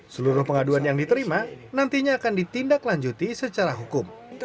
seluruh pengaduan yang diterima nantinya akan ditindaklanjuti secara hukum